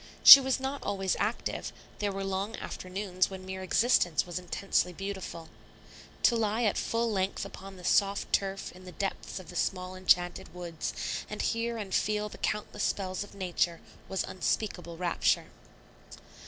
She was not always active; there were long afternoons when mere existence was intensely beautiful. To lie at full length upon the soft turf in the depths of the small enchanted woods, and hear and feel the countless spells of Nature, was unspeakable rapture.